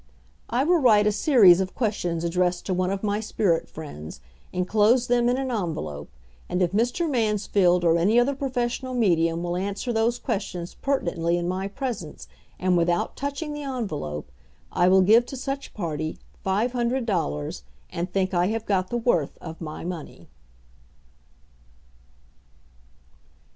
I will write a series of questions addressed to one of my spirit friends, inclose them in an envelope, and if Mr. Mansfield or any other professed medium will answer those questions pertinently in my presence, and without touching the envelope, I will give to such party five hundred dollars, and think I have got the worth of my money.